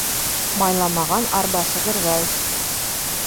Майламаған арба шығырҙай.